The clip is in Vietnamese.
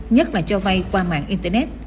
nhất là cho vay qua mạng internet